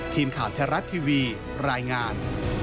ทีมข่าวไทยรัฐทีวีรายงาน